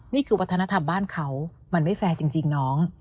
นี่คือวัฒนธรรมบ้านเขามันไม่แฟร์จริงน้อง